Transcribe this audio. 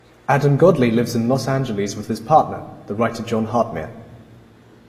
Adam Godley lives in Los Angeles with his partner, the writer Jon Hartmere.